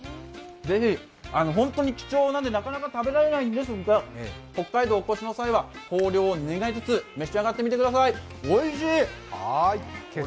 ぜひ、本当に貴重なんでなかなか食べられないんですが北海道にお越しの際は豊漁を願いつつ、召し上がってみてください。